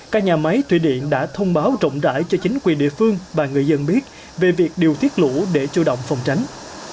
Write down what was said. các nhà máy thủy điện đã thông báo rộng rãi cho chính quyền địa phương và người dân biết về việc điều tiết lũ để chủ động phòng tránh